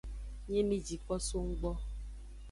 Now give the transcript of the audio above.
Nyi mi ji ko so nggbo.